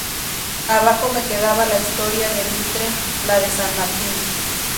Abajo me quedaba la historia de Mitre, la de San Martín.